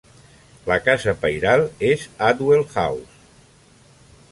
La casa pairal és Adwell House.